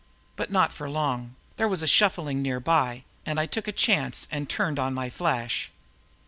But not for long there was a shuffling nearby and I took a chance and turned on my flash.